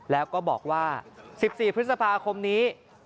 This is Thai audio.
แล้วก็บอกว่า๑๔พฤษภาคมนี้